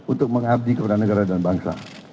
untuk mengabdi kepada negara dan bangsa